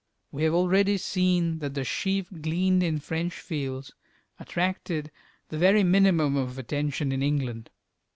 We have already seen that the "Sheaf gleaned in French Fields" attracted the very minimum of attention in England.